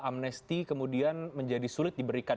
amnesti kemudian menjadi sulit diberikan